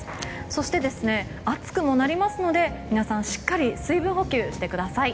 そして、暑くもなりますので皆さんしっかり水分補給をしてください。